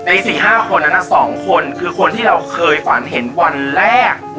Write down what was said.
๔๕คนนั้น๒คนคือคนที่เราเคยฝันเห็นวันแรก